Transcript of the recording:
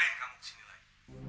kenapa kamu disini lagi